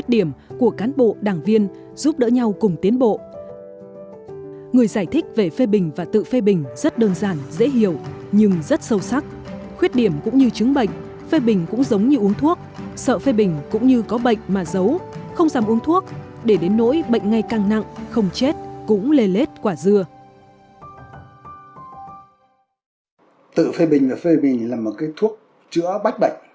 để đến nỗi bệnh ngày càng nặng không chết cũng lê lết quả dừa